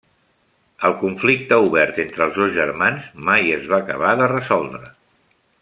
El conflicte obert entre els dos germans mai es va acabar de resoldre.